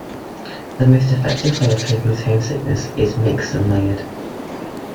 The most effective way of coping with homesickness is mixed and layered.